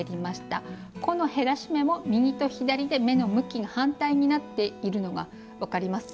この減らし目も右と左で目の向きが反対になっているのが分かります？